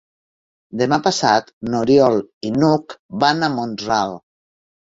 Demà passat n'Oriol i n'Hug van a Mont-ral.